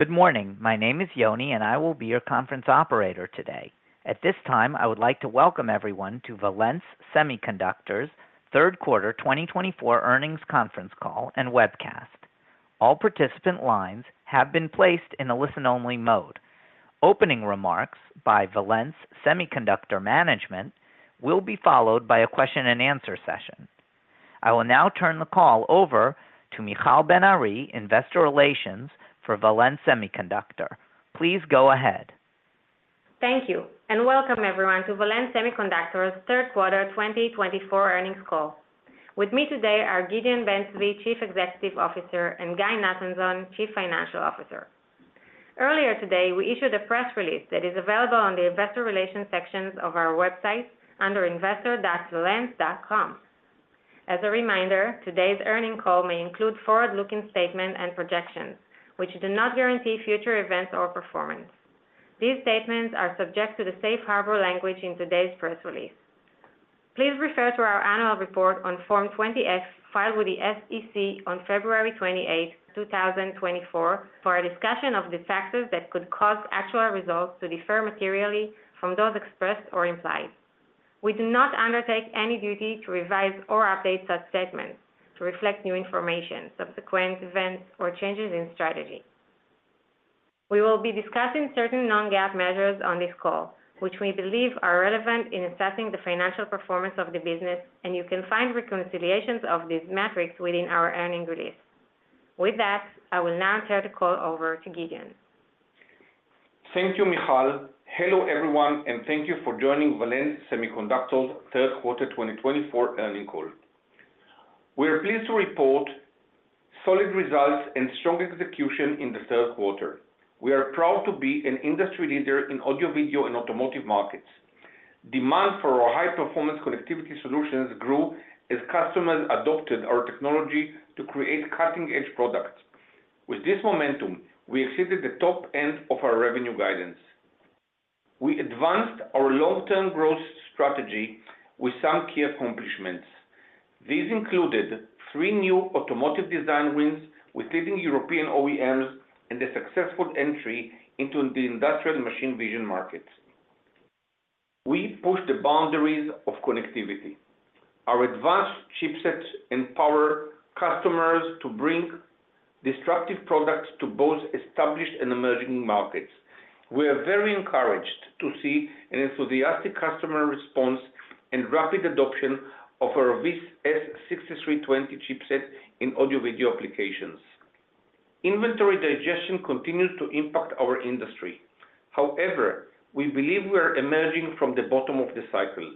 Good morning. My name is Yoni, and I will be your conference operator today. At this time, I would like to welcome everyone to Valens Semiconductor's third quarter 2024 earnings conference call and webcast. All participant lines have been placed in the listen-only mode. Opening remarks by Valens Semiconductor Management will be followed by a question-and-answer session. I will now turn the call over to Michal Ben Ari, Investor Relations for Valens Semiconductor. Please go ahead. Thank you, and welcome everyone to Valens Semiconductor's third quarter 2024 earnings call. With me today are Gideon Ben-Zvi, Chief Executive Officer, and Guy Nathanzon, Chief Financial Officer. Earlier today, we issued a press release that is available on the Investor Relations sections of our website under investors.valens.com. As a reminder, today's earnings call may include forward-looking statements and projections, which do not guarantee future events or performance. These statements are subject to the safe harbor language in today's press release. Please refer to our annual report on Form 20-F filed with the SEC on February 28, 2024, for a discussion of the factors that could cause actual results to differ materially from those expressed or implied. We do not undertake any duty to revise or update such statements to reflect new information, subsequent events, or changes in strategy. We will be discussing certain Non-GAAP measures on this call, which we believe are relevant in assessing the financial performance of the business, and you can find reconciliations of these metrics within our earnings release. With that, I will now turn the call over to Gideon. Thank you, Michal. Hello everyone, and thank you for joining Valens Semiconductor's third quarter 2024 earnings call. We are pleased to report solid results and strong execution in the third quarter. We are proud to be an industry leader in audio, video, and automotive markets. Demand for our high-performance connectivity solutions grew as customers adopted our technology to create cutting-edge products. With this momentum, we exceeded the top end of our revenue guidance. We advanced our long-term growth strategy with some key accomplishments. These included three new automotive design wins with leading European OEMs and a successful entry into the industrial machine vision markets. We pushed the boundaries of connectivity. Our advanced chipsets empower customers to bring disruptive products to both established and emerging markets. We are very encouraged to see an enthusiastic customer response and rapid adoption of our VS6320 chipset in audio-video applications. Inventory digestion continues to impact our industry. However, we believe we are emerging from the bottom of the cycle.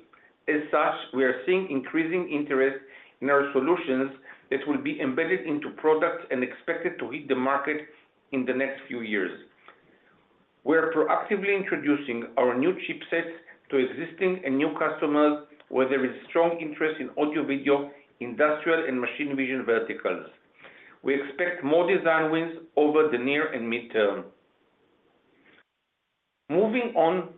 As such, we are seeing increasing interest in our solutions that will be embedded into products and expected to hit the market in the next few years. We are proactively introducing our new chipsets to existing and new customers, where there is strong interest in audio, video, industrial, and machine vision verticals. We expect more design wins over the near and midterm. Moving on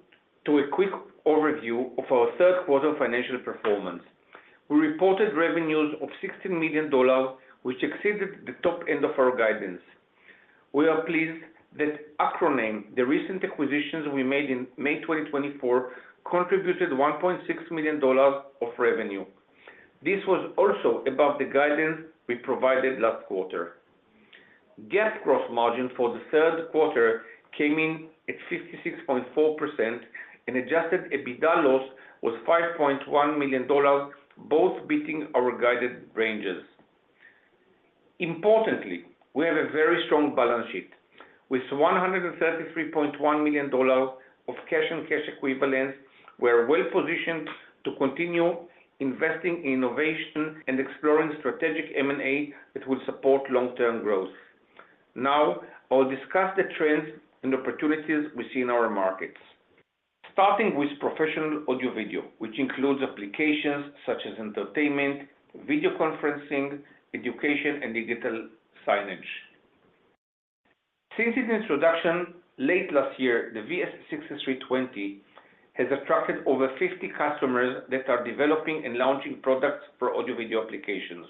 to a quick overview of our third quarter financial performance, we reported revenues of $16 million, which exceeded the top end of our guidance. We are pleased that, Acroname, the recent acquisitions we made in May 2024 contributed $1.6 million of revenue. This was also above the guidance we provided last quarter. GAAP gross margin for the third quarter came in at 56.4%, and adjusted EBITDA loss was $5.1 million, both beating our guided ranges. Importantly, we have a very strong balance sheet with $133.1 million of cash and cash equivalents. We are well positioned to continue investing in innovation and exploring strategic M&A that will support long-term growth. Now, I'll discuss the trends and opportunities we see in our markets, starting with professional audio-video, which includes applications such as entertainment, video conferencing, education, and digital signage. Since its introduction late last year, the VS6320 has attracted over 50 customers that are developing and launching products for audio-video applications.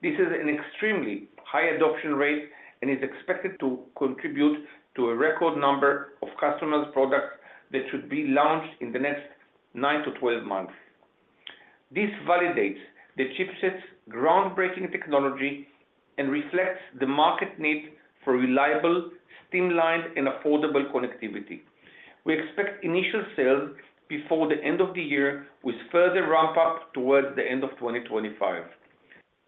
This is an extremely high adoption rate and is expected to contribute to a record number of customers' products that should be launched in the next nine to 12 months. This validates the chipset's groundbreaking technology and reflects the market need for reliable, streamlined, and affordable connectivity. We expect initial sales before the end of the year, with further ramp-up towards the end of 2025.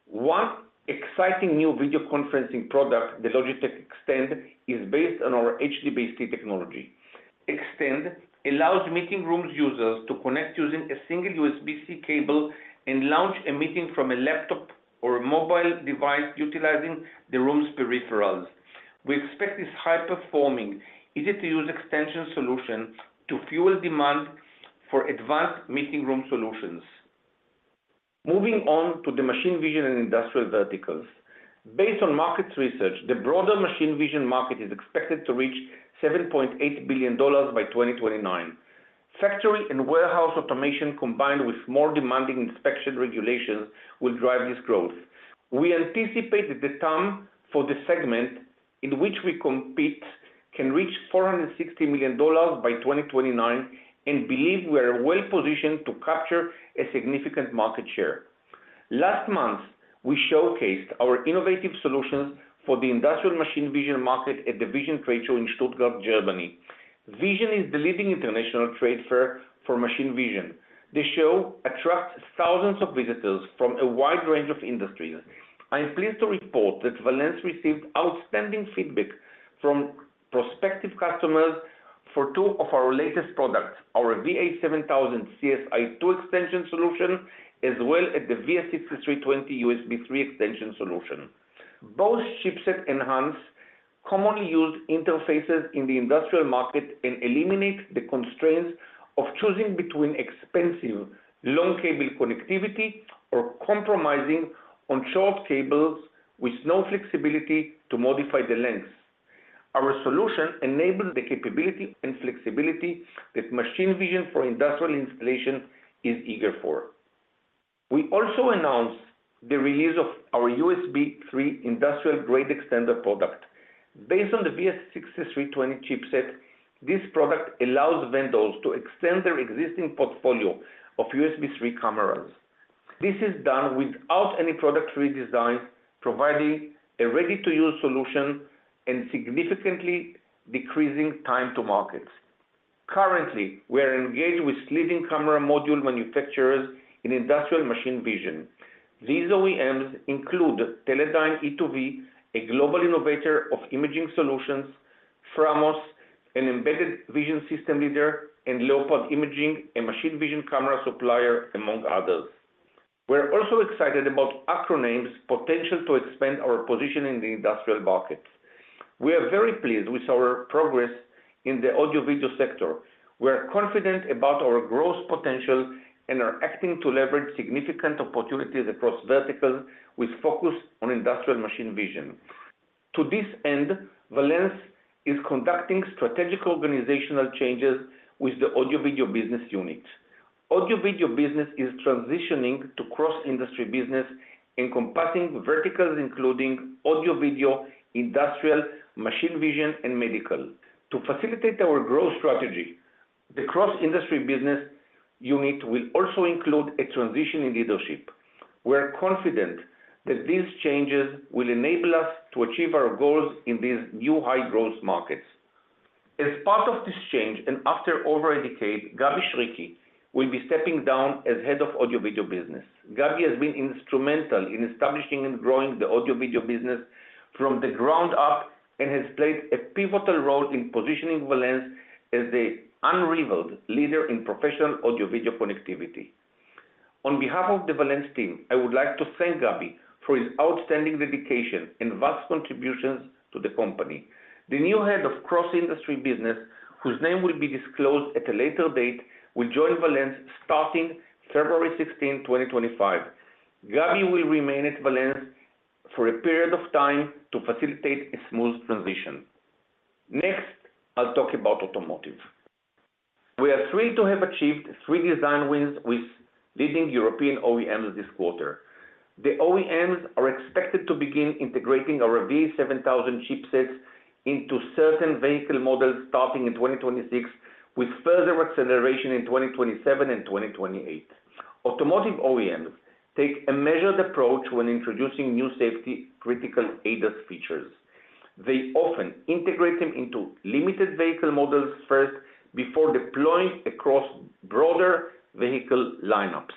One exciting new video conferencing product, the Logitech Extend, is based on our HDBaseT technology. Extend allows meeting room users to connect using a single USB-C cable and launch a meeting from a laptop or a mobile device utilizing the room's peripherals. We expect this high-performing, easy-to-use extension solution to fuel demand for advanced meeting room solutions. Moving on to the machine vision and industrial verticals. Based on market research, the broader machine vision market is expected to reach $7.8 billion by 2029. Factory and warehouse automation, combined with more demanding inspection regulations, will drive this growth. We anticipate that the TAM for the segment in which we compete can reach $460 million by 2029 and believe we are well positioned to capture a significant market share. Last month, we showcased our innovative solutions for the industrial machine vision market at the Vision trade Show in Stuttgart, Germany. Vision is the leading international trade fair for machine vision. The show attracts thousands of visitors from a wide range of industries. I'm pleased to report that Valens received outstanding feedback from prospective customers for two of our latest products, our VA7000 CSI-2 extension solution, as well as the VS6320 USB 3 extension solution. Both chipset-enhanced, commonly used interfaces in the industrial market eliminate the constraints of choosing between expensive, long-cable connectivity or compromising on short cables with no flexibility to modify the length. Our solution enables the capability and flexibility that machine vision for industrial installation is eager for. We also announced the release of our USB 3 industrial-grade extender product. Based on the VS6320 chipset, this product allows vendors to extend their existing portfolio of USB 3 cameras. This is done without any product redesign, providing a ready-to-use solution and significantly decreasing time to market. Currently, we are engaged with leading camera module manufacturers in industrial machine vision. These OEMs include Teledyne e2v, a global innovator of imaging solutions, Framos, an embedded vision system leader, and Leopard Imaging, a machine vision camera supplier, among others. We are also excited about Acroname's potential to expand our position in the industrial market. We are very pleased with our progress in the audio-video sector. We are confident about our growth potential and are acting to leverage significant opportunities across verticals with focus on industrial machine vision. To this end, Valens is conducting strategic organizational changes with the audio-video business unit. Audio-video business is transitioning to cross-industry business, encompassing verticals including audio, video, industrial, machine vision, and medical. To facilitate our growth strategy, the cross-industry business unit will also include a transition in leadership. We are confident that these changes will enable us to achieve our goals in these new high-growth markets. As part of this change and after over a decade, Gabi Shriki will be stepping down as head of audio-video business. Gabi has been instrumental in establishing and growing the audio-video business from the ground up and has played a pivotal role in positioning Valens as the unrivaled leader in professional audio-video connectivity. On behalf of the Valens team, I would like to thank Gabi for his outstanding dedication and vast contributions to the company. The new head of cross-industry business, whose name will be disclosed at a later date, will join Valens starting February 16, 2025. Gabi will remain at Valens for a period of time to facilitate a smooth transition. Next, I'll talk about automotive. We are thrilled to have achieved three design wins with leading European OEMs this quarter. The OEMs are expected to begin integrating our VA7000 chipsets into certain vehicle models starting in 2026, with further acceleration in 2027 and 2028. Automotive OEMs take a measured approach when introducing new safety-critical ADAS features. They often integrate them into limited vehicle models first before deploying across broader vehicle lineups.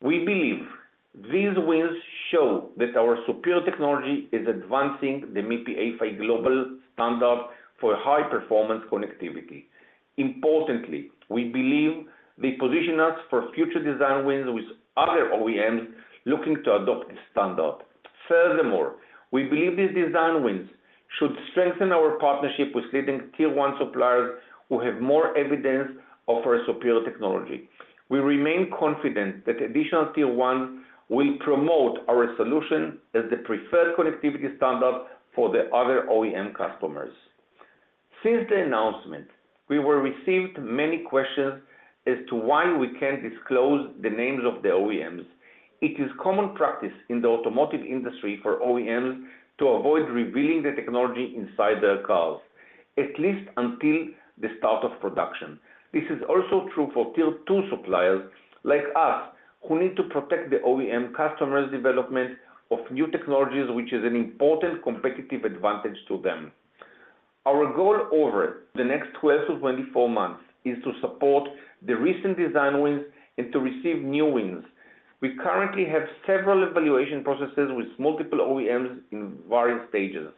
We believe these wins show that our superior technology is advancing the MIPI A-PHY global standard for high-performance connectivity. Importantly, we believe they position us for future design wins with other OEMs looking to adopt the standard. Furthermore, we believe these design wins should strengthen our partnership with leading Tier 1 suppliers who have more evidence of our superior technology. We remain confident that additional Tier 1 will promote our solution as the preferred connectivity standard for the other OEM customers. Since the announcement, we received many questions as to why we can't disclose the names of the OEMs. It is common practice in the automotive industry for OEMs to avoid revealing the technology inside their cars, at least until the start of production. This is also true for Tier-2 suppliers like us, who need to protect the OEM customers' development of new technologies, which is an important competitive advantage to them. Our goal over the next 12 to 24 months is to support the recent design wins and to receive new wins. We currently have several evaluation processes with multiple OEMs in various stages.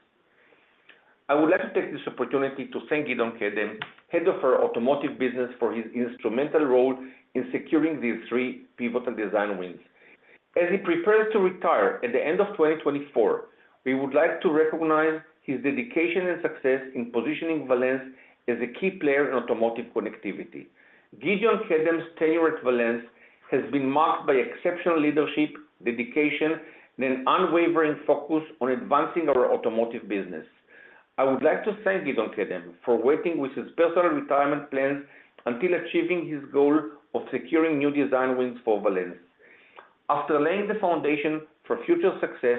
I would like to take this opportunity to thank Gideon Kedem, head of our automotive business, for his instrumental role in securing these three pivotal design wins. As he prepares to retire at the end of 2024, we would like to recognize his dedication and success in positioning Valens as a key player in automotive connectivity. Gideon Kedem's tenure at Valens has been marked by exceptional leadership, dedication, and an unwavering focus on advancing our automotive business. I would like to thank Gideon Kedem for waiting with his personal retirement plans until achieving his goal of securing new design wins for Valens. After laying the foundation for future success,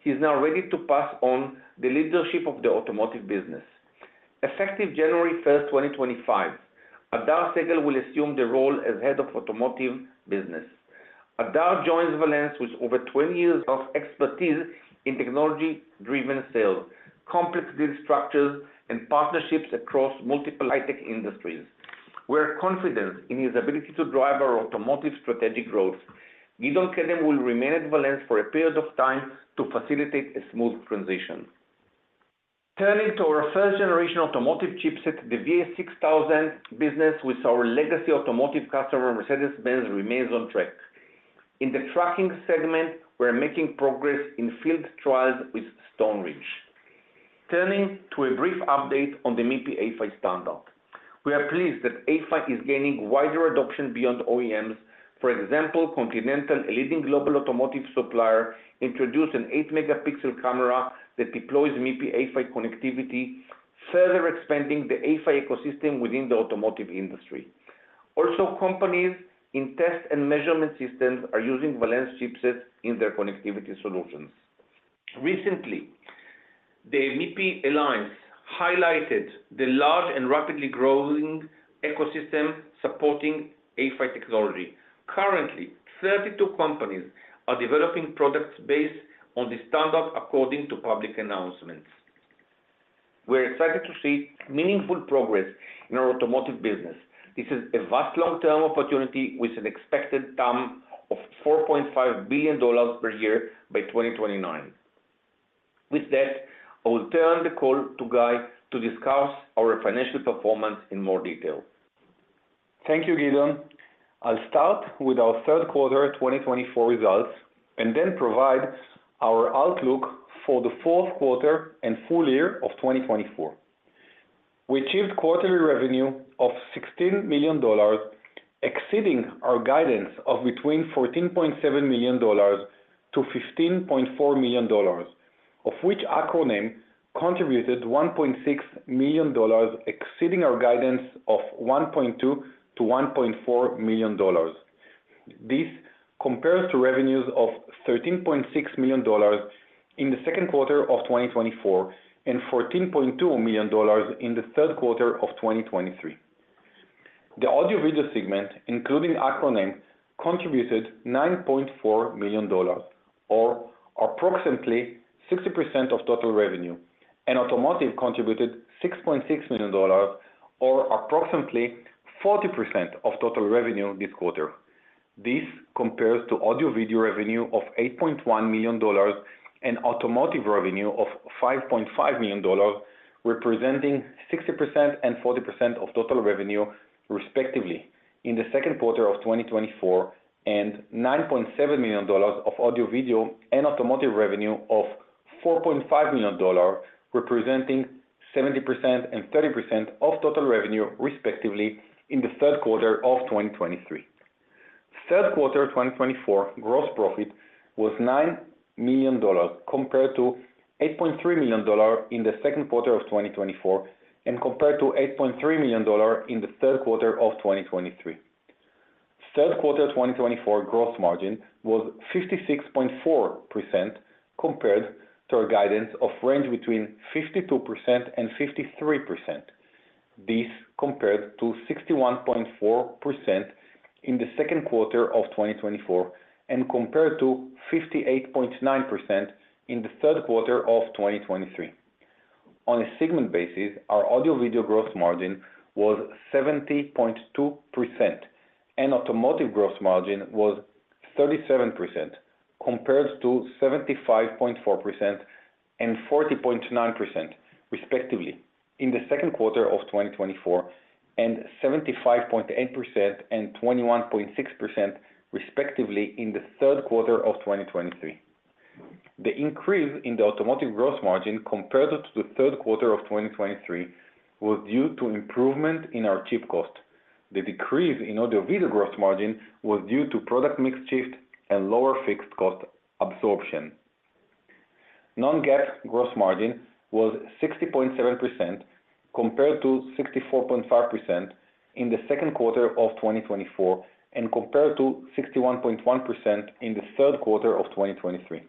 he is now ready to pass on the leadership of the automotive business. Effective January 1, 2025, Adar Segal will assume the role as head of automotive business. Adar joins Valens with over 20 years of expertise in technology-driven sales, complex deal structures, and partnerships across multiple high-tech industries. We are confident in his ability to drive our automotive strategic growth. Gideon Kedem will remain at Valens for a period of time to facilitate a smooth transition. Turning to our first-generation automotive chipset, the VS6000 business with our legacy automotive customer, Mercedes-Benz, remains on track. In the trucking segment, we are making progress in field trials with Stoneridge. Turning to a brief update on the MIPI A-PHY standard. We are pleased that A-PHY is gaining wider adoption beyond OEMs. For example, Continental, a leading global automotive supplier, introduced an 8-megapixel camera that deploys MIPI A-PHY connectivity, further expanding the A-PHY ecosystem within the automotive industry. Also, companies in test and measurement systems are using Valens chipsets in their connectivity solutions. Recently, the MIPI Alliance highlighted the large and rapidly growing ecosystem supporting MIPI A-PHY technology. Currently, 32 companies are developing products based on the standard according to public announcements. We are excited to see meaningful progress in our automotive business. This is a vast long-term opportunity with an expected TAM of $4.5 billion per year by 2029. With that, I will turn the call to Guy to discuss our financial performance in more detail. Thank you, Gideon. I'll start with our third quarter 2024 results and then provide our outlook for the fourth quarter and full year of 2024. We achieved quarterly revenue of $16 million, exceeding our guidance of between $14.7-$15.4 million, of which Acroname contributed $1.6 million, exceeding our guidance of $1.2-$1.4 million. This compares to revenues of $13.6 million in the second quarter of 2024 and $14.2 million in the third quarter of 2023. The audio-video segment, including Acroname, contributed $9.4 million, or approximately 60% of total revenue, and automotive contributed $6.6 million, or approximately 40% of total revenue this quarter. This compares to audio-video revenue of $8.1 million and automotive revenue of $5.5 million, representing 60% and 40% of total revenue, respectively, in the second quarter of 2024, and $9.7 million of audio-video and automotive revenue of $4.5 million, representing 70% and 30% of total revenue, respectively, in the third quarter of 2023. Third quarter 2024 gross profit was $9 million compared to $8.3 million in the second quarter of 2024 and compared to $8.3 million in the third quarter of 2023. Third quarter 2024 gross margin was 56.4% compared to our guidance of range between 52% and 53%. This compared to 61.4% in the second quarter of 2024 and compared to 58.9% in the third quarter of 2023. On a segment basis, our audio-video gross margin was 70.2%, and automotive gross margin was 37% compared to 75.4% and 40.9%, respectively, in the second quarter of 2024 and 75.8% and 21.6%, respectively, in the third quarter of 2023. The increase in the automotive gross margin compared to the third quarter of 2023 was due to improvement in our chip cost. The decrease in audio-video gross margin was due to product mix shift and lower fixed cost absorption. Non-GAAP gross margin was 60.7% compared to 64.5% in the second quarter of 2024 and compared to 61.1% in the third quarter of 2023.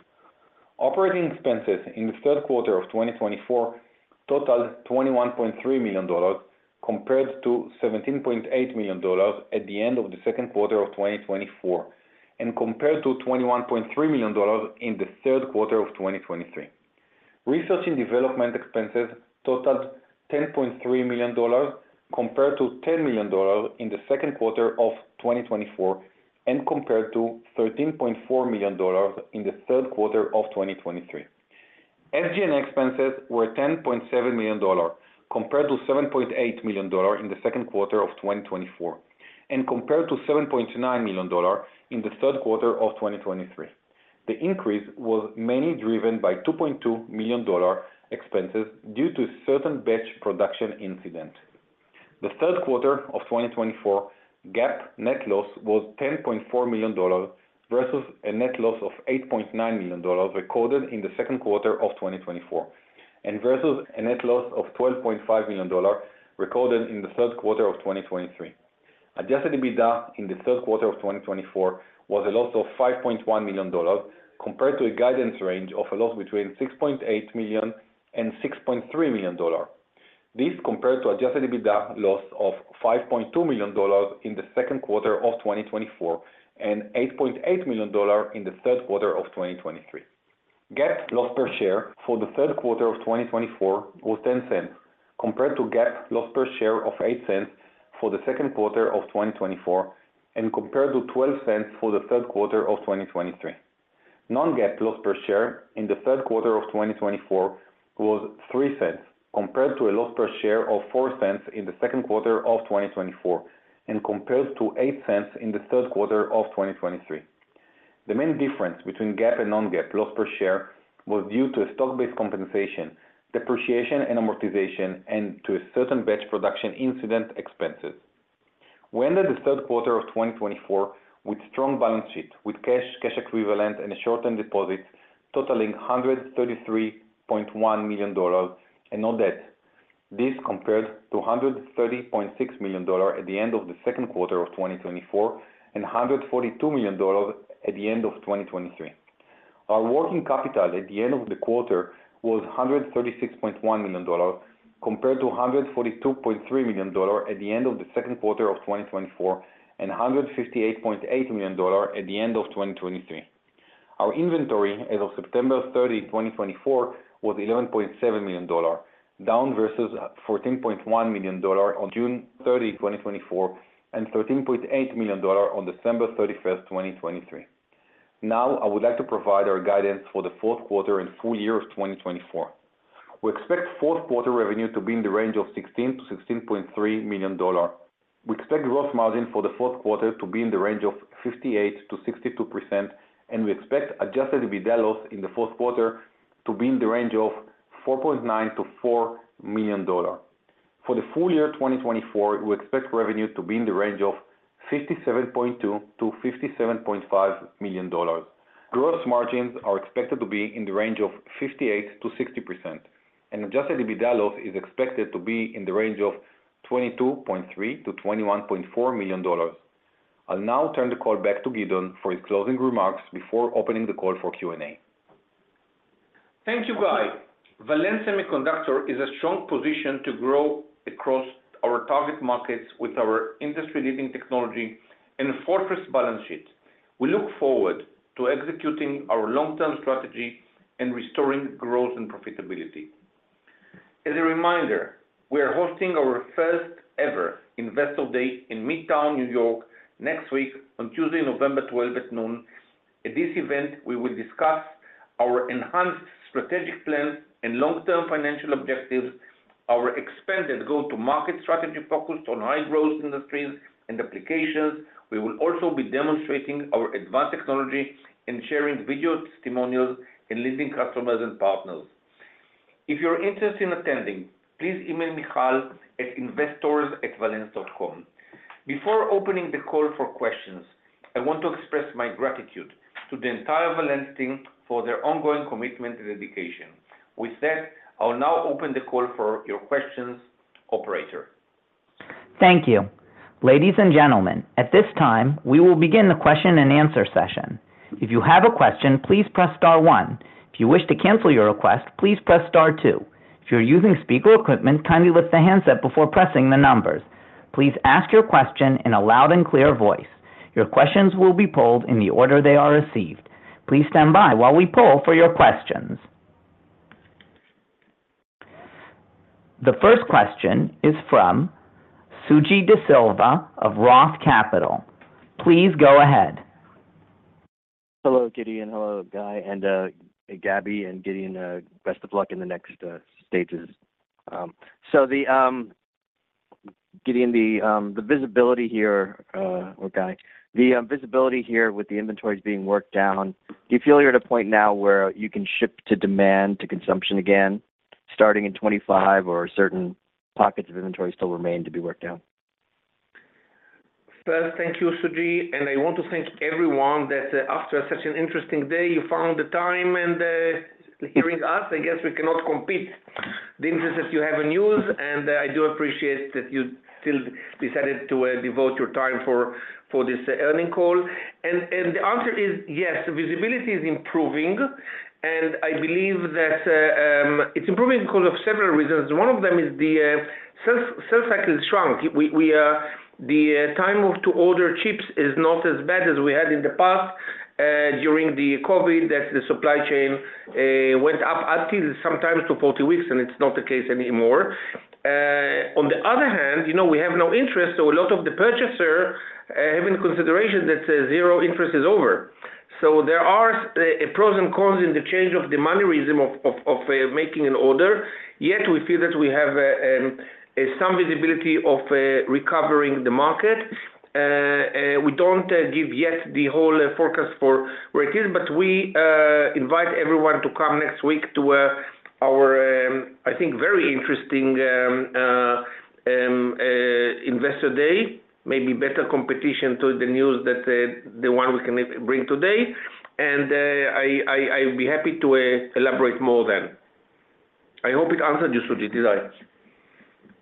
Operating expenses in the third quarter of 2024 totaled $21.3 million compared to $17.8 million at the end of the second quarter of 2024 and compared to $21.3 million in the third quarter of 2023. Research and development expenses totaled $10.3 million compared to $10 million in the second quarter of 2024 and compared to $13.4 million in the third quarter of 2023. SG&A expenses were $10.7 million compared to $7.8 million in the second quarter of 2024 and compared to $7.9 million in the third quarter of 2023. The increase was mainly driven by $2.2 million expenses due to a certain batch production incident. The third quarter of 2024 GAAP net loss was $10.4 million versus a net loss of $8.9 million recorded in the second quarter of 2024 and versus a net loss of $12.5 million recorded in the third quarter of 2023. Adjusted EBITDA in the third quarter of 2024 was a loss of $5.1 million compared to a guidance range of a loss between $6.8 million and $6.3 million. This compared to adjusted EBITDA loss of $5.2 million in the second quarter of 2024 and $8.8 million in the third quarter of 2023. GAAP loss per share for the third quarter of 2024 was $0.10 compared to GAAP loss per share of $0.08 for the second quarter of 2024 and compared to $0.12 for the third quarter of 2023. Non-GAAP loss per share in the third quarter of 2024 was $0.03 compared to a loss per share of $0.04 in the second quarter of 2024 and compared to $0.08 in the third quarter of 2023. The main difference between GAAP and non-GAAP loss per share was due to stock-based compensation, depreciation, and amortization, and to a certain batch production incident expenses. We ended the third quarter of 2024 with a strong balance sheet with cash equivalent and short-term deposits totaling $133.1 million and no debt. This compared to $130.6 million at the end of the second quarter of 2024 and $142 million at the end of 2023. Our working capital at the end of the quarter was $136.1 million compared to $142.3 million at the end of the second quarter of 2024 and $158.8 million at the end of 2023. Our inventory as of September 30, 2024, was $11.7 million, down versus $14.1 million on June 30, 2024, and $13.8 million on December 31, 2023. Now, I would like to provide our guidance for the fourth quarter and full year of 2024. We expect fourth quarter revenue to be in the range of $16-$16.3 million. We expect gross margin for the fourth quarter to be in the range of 58%-62%, and we expect adjusted EBITDA loss in the fourth quarter to be in the range of $4.9 million-$4 million. For the full year 2024, we expect revenue to be in the range of $57.2 million-$57.5 million. Gross margins are expected to be in the range of 58%-60%, and adjusted EBITDA loss is expected to be in the range of $22.3 million-$21.4 million. I'll now turn the call back to Gideon for his closing remarks before opening the call for Q&A. Thank you, Guy. Valens Semiconductor is in a strong position to grow across our target markets with our industry-leading technology and fortress balance sheet. We look forward to executing our long-term strategy and restoring growth and profitability. As a reminder, we are hosting our first-ever Investor Day in Midtown, New York, next week on Tuesday, November 12, at noon. At this event, we will discuss our enhanced strategic plan and long-term financial objectives, our expanded go-to-market strategy focused on high-growth industries and applications. We will also be demonstrating our advanced technology and sharing video testimonials and leading customers and partners. If you're interested in attending, please email michal@investors.valens.com. Before opening the call for questions, I want to express my gratitude to the entire Valens team for their ongoing commitment and dedication. With that, I'll now open the call for your questions, operator. Thank you. Ladies and gentlemen, at this time, we will begin the question and answer session. If you have a question, please press star one. If you wish to cancel your request, please press star two. If you're using speaker equipment, kindly lift the handset before pressing the numbers. Please ask your question in a loud and clear voice. Your questions will be polled in the order they are received. Please stand by while we poll for your questions. The first question is from Suji Desilva of Roth Capital. Please go ahead. Hello, Gideon. Hello, Guy, and Gabi, and Gideon, best of luck in the next stages. So Gideon, the visibility here or Guy, the visibility here with the inventories being worked down, do you feel you're at a point now where you can shift to demand to consumption again starting in 2025, or certain pockets of inventory still remain to be worked down? Thank you, Suji, and I want to thank everyone that after such an interesting day, you found the time to hear us. I guess we cannot compete with the interest that you have in news, and I do appreciate that you still decided to devote your time to this earnings call. The answer is yes, visibility is improving, and I believe that it's improving because of several reasons. One of them is the sales cycle is shrunk. The time to order chips is not as bad as we had in the past during COVID when the supply chain went up till sometimes to 40 weeks, and it's not the case anymore. On the other hand, interest rates are no longer zero, so a lot of the purchasers take into consideration that zero interest is over. So there are pros and cons in the change in the manner of making an order, yet we feel that we have some visibility of recovering the market. We don't give yet the whole forecast for where it is, but we invite everyone to come next week to our, I think, very interesting Investor Day, maybe better competition to the news than the one we can bring today, and I'd be happy to elaborate more then. I hope it answered you, Suji, did I?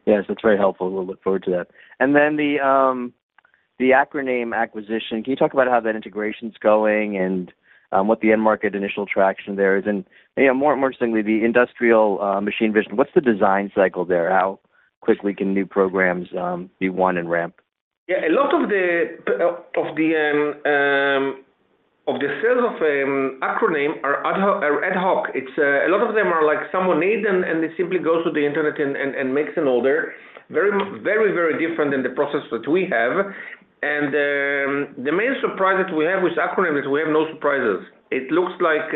Yes, that's very helpful. We'll look forward to that. And then the Acroname acquisition, can you talk about how that integration's going and what the end market initial traction there is? And more importantly, the industrial machine vision, what's the design cycle there? How quickly can new programs be won and ramped? Yeah, a lot of the sales of Acroname's are ad hoc. A lot of them are like someone needs, and they simply go to the internet and make an order. Very, very different than the process that we have. And the main surprise that we have with Acroname is we have no surprises. It looks like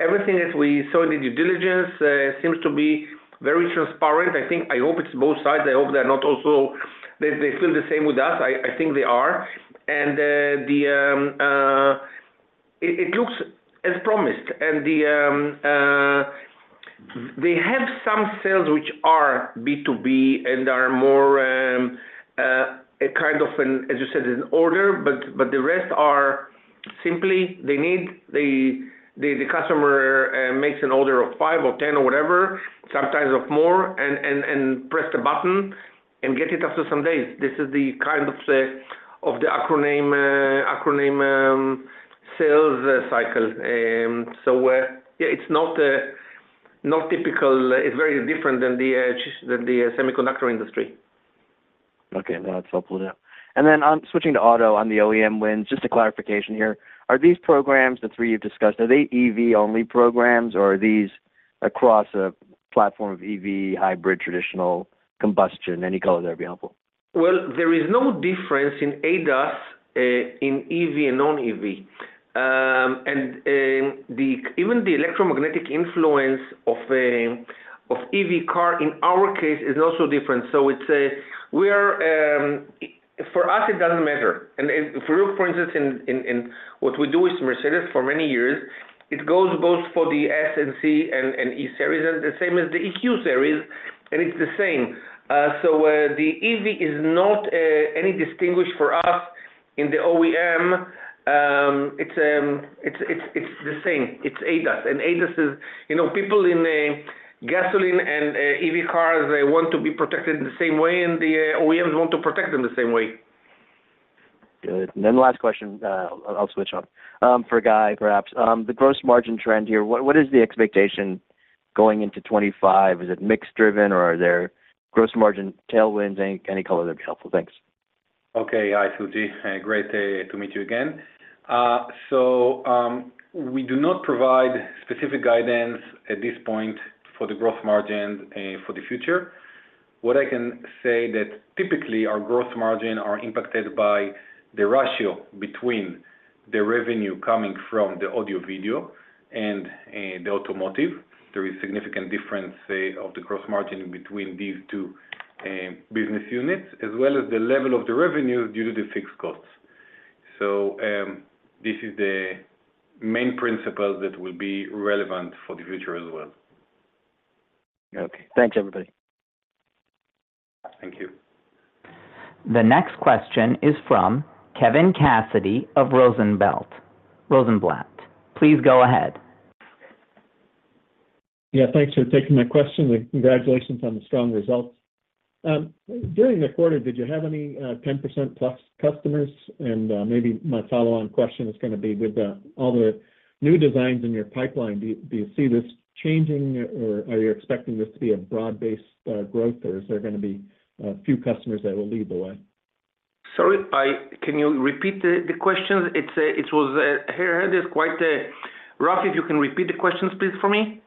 everything that we saw in the due diligence seems to be very transparent. I hope it's both sides. I hope they're not also they feel the same with us. I think they are. And it looks as promised. And they have some sales which are B2B and are more kind of, as you said, an order, but the rest are simply they need the customer makes an order of five or 10 or whatever, sometimes of more, and press the button and get it after some days. This is the kind of the Acroname sales cycle. So yeah, it's not typical. It's very different than the semiconductor industry. Okay, that's helpful to know. And then I'm switching to auto on the OEM wins. Just a clarification here. Are these programs, the three you've discussed, are they EV-only programs, or are these across a platform of EV, hybrid, traditional, combustion? Any color there would be helpful. Well, there is no difference in ADAS in EV and non-EV. And even the electromagnetic influence of EV car in our case is also different. So for us, it doesn't matter. And if you look, for instance, in what we do with Mercedes-Benz for many years, it goes both for the S and C and E series and the same as the EQ series, and it's the same. So the EV is not any distinguished for us in the OEM. It's the same. It's ADAS. And ADAS is people in gasoline and EV cars want to be protected in the same way, and the OEMs want to protect them the same way. Good. And then last question, I'll switch off. For Guy, perhaps, the gross margin trend here, what is the expectation going into 2025? Is it mixed-driven, or are there gross margin tailwinds? Any color there would be helpful. Thanks. Okay, hi, Suji. Great to meet you again. So we do not provide specific guidance at this point for the gross margin for the future. What I can say is that typically, our gross margin is impacted by the ratio between the revenue coming from the audio video and the automotive. There is a significant difference of the gross margin between these two business units, as well as the level of the revenues due to the fixed costs. So this is the main principle that will be relevant for the future as well. Okay, thanks, everybody. Thank you. The next question is from Kevin Cassidy of Rosenblatt. Please go ahead. Yeah, thanks for taking my question. Congratulations on the strong results. During the quarter, did you have any 10% plus customers? And maybe my follow-on question is going to be with all the new designs in your pipeline, do you see this changing, or are you expecting this to be a broad-based growth, or is there going to be a few customers that will lead the way? Sorry, Guy, can you repeat the question? It was quite rough. If you can repeat the questions, please, for me.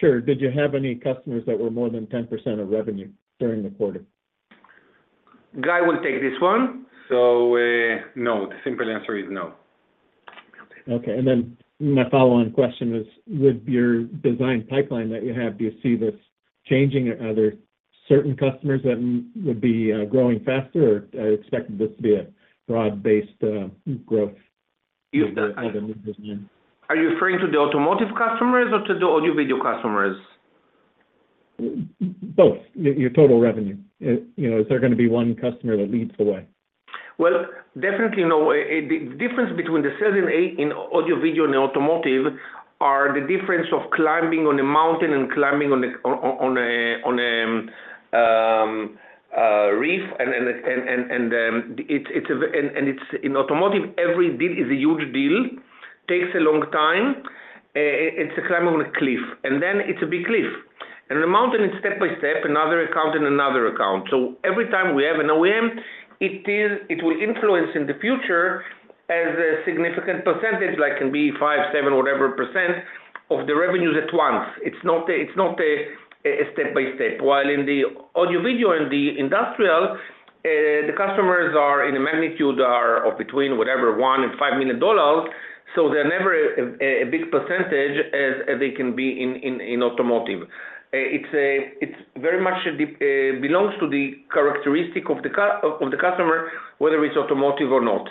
Sure. Did you have any customers that were more than 10% of revenue during the quarter? Guy will take this one. So no, the simple answer is no. Okay. And then my follow-on question is, with your design pipeline that you have, do you see this changing? Are there certain customers that would be growing faster, or expect this to be a broad-based growth? Are you referring to the automotive customers or to the audio video customers? Both. Your total revenue. Is there going to be one customer that leads the way? Well, definitely no. The difference between the sales in audio video and automotive is the difference of climbing on a mountain and climbing on a reef. And it's in automotive, every deal is a huge deal, takes a long time. It's a climb on a cliff, and then it's a big cliff. And on a mountain, it's step by step, another account, and another account. So every time we have an OEM, it will influence in the future as a significant percentage, like it can be five, seven, whatever % of the revenues at once. It's not a step by step. While in the audio video and the industrial, the customers are in a magnitude of between whatever, $1 million and $5 million, so they're never a big percentage as they can be in automotive. It very much belongs to the characteristic of the customer, whether it's automotive or not.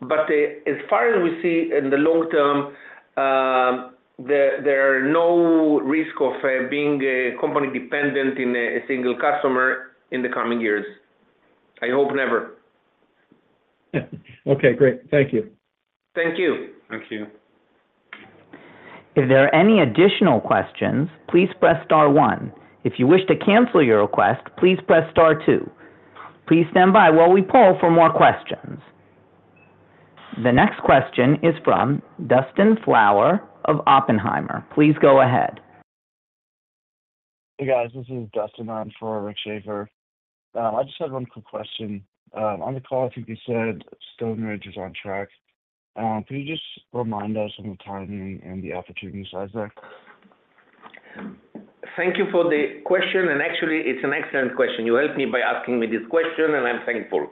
But as far as we see in the long term, there are no risks of being company-dependent in a single customer in the coming years. I hope never. Okay, great. Thank you. Thank you. Thank you. If there are any additional questions, please press star one. If you wish to cancel your request, please press star two. Please stand by while we poll for more questions. The next question is from Dustin Fowler of Oppenheimer. Please go ahead. Hey, guys, this is Dustin on for Rick Schafer. I just had one quick question. On the call, I think you said Stoneridge is on track. Could you just remind us on the timing and the opportunity size there? Thank you for the question, and actually, it's an excellent question. You helped me by asking me this question, and I'm thankful.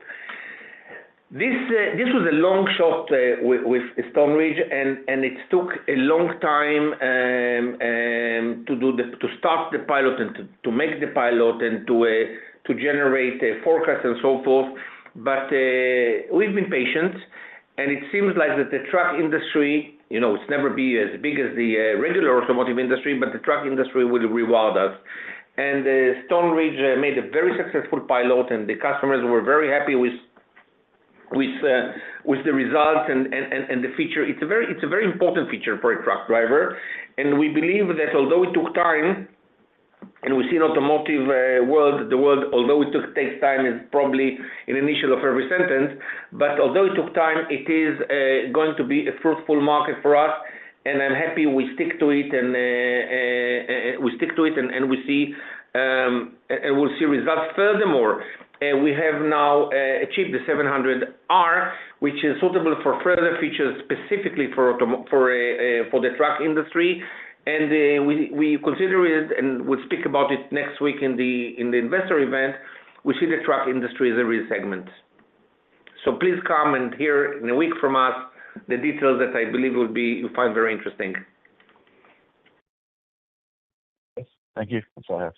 This was a long shot with Stoneridge, and it took a long time to start the pilot and to make the pilot and to generate a forecast and so forth. But we've been patient, and it seems like that the truck industry will never be as big as the regular automotive industry, but the truck industry will reward us. And Stoneridge made a very successful pilot, and the customers were very happy with the results and the feature. It's a very important feature for a truck driver. We believe that although it took time, and we see in the automotive world, although it takes time, it's probably an initial of every sentence, but although it took time, it is going to be a fruitful market for us, and I'm happy we stick to it, and we stick to it, and we see results. Furthermore, we have now achieved the VA7000, which is suitable for further features specifically for the truck industry. We consider it, and we'll speak about it next week in the investor event. We see the truck industry as a segment. So please come and hear in a week from us the details that I believe you'll find very interesting. Yes, thank you. That's all I have.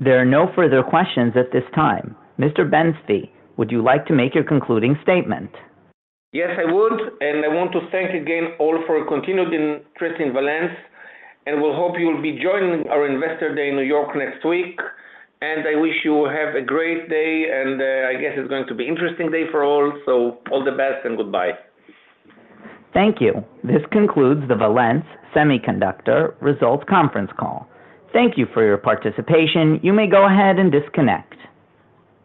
There are no further questions at this time. Mr. Ben-Zvi, would you like to make your concluding statement? Yes, I would, and I want to thank again all for continued interest in Valens, and we'll hope you'll be joining our investor day in New York next week, and I wish you have a great day, and I guess it's going to be an interesting day for all, so all the best and goodbye. Thank you. This concludes the Valens Semiconductor Results Conference Call. Thank you for your participation. You may go ahead and disconnect.